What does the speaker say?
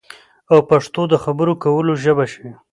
او پښتو د خبرو کولو ژبه شي